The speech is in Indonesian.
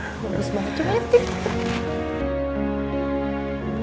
bagus banget coba lihat deh